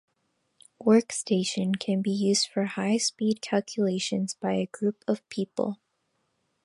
Workstation can be used for high-speed calculations by a group of people.